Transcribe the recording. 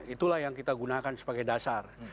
itulah yang kita gunakan sebagai dasar